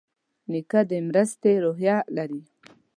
نیکه د مرستې روحیه لري.